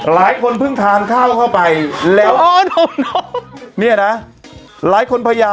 หลายคนเพิ่งทานข้าวเข้าไปแล้วเยอะเดิมน้องเนี้ยนะนั้น